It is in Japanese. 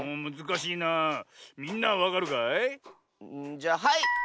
じゃはい！